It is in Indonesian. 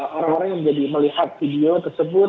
ada juga orang orang yang menjadi melihat video tersebut